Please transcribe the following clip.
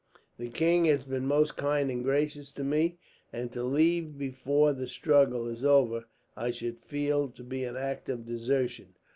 The king has been most kind and gracious to me, and to leave before the struggle is over I should feel to be an act of desertion.